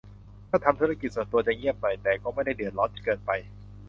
ถ้าทำธุรกิจส่วนตัวจะเงียบหน่อย แต่ก็ไม่ได้เดือดร้อนจนเกินไป